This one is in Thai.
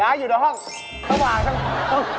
น้าอยู่ในห้องต้องวางต้องวาง